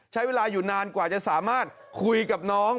ใช้เวลาอยู่นานกว่าจะสามารถคุยกับน้อง